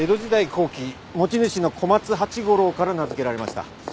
後期持ち主の小松八五郎から名付けられました。